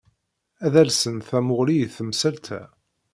Ad alsen tamuɣli i temsalt-a.